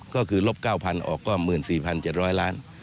ก็คือลบ๙๐๐ออกก็๑๔๗๐๐ล้าน